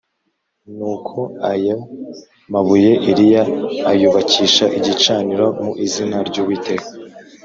Nuko ayo mabuye Eliya ayubakisha igicaniro mu izina ry’Uwiteka